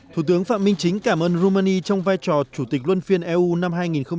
thủ tướng phạm minh chính cảm ơn rumani trong vai trò chủ tịch luân phiên eu năm hai nghìn một mươi chín